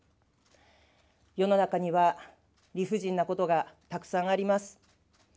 世の中には理不尽なことがたくさんあります。